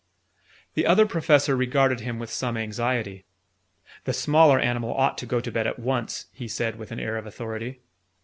The Other Professor regarded him with some anxiety. "The smaller animal ought to go to bed at once," he said with an air of authority.